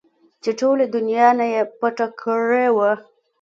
چې ټولې دونيا نه يې پټه کړې وه.